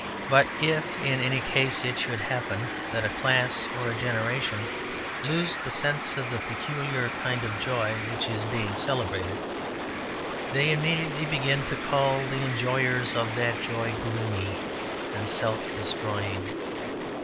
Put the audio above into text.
But if in any case it should happen that a class or a generation lose the sense of the peculiar kind of joy which is being celebrated, they immediately begin to call the enjoyers of that joy gloomy and self destroying.